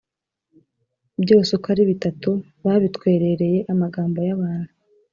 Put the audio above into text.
byose uko ari bitatu, babitwerereye amagambo y’abantu